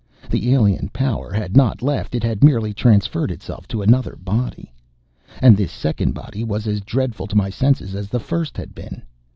The Alien Power had not left! It had merely transferred itself to another body! And this second body was as dreadful to my senses as the first had been.